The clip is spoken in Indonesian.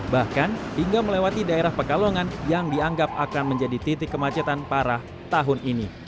bahkan hingga melewati daerah pekalongan yang dianggap akan menjadi titik kemacetan parah tahun ini